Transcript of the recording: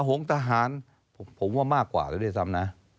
หงทหารผมว่ามากกว่าแล้วด้วยซ้ำนะ